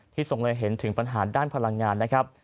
ทรงเลยเห็นถึงปัญหาด้านพลังงานนะครับ